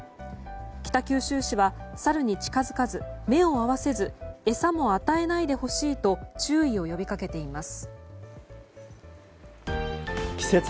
北九州市はサルに近づかず目を合わせず餌も与えないでほしいと注意を呼び掛けています。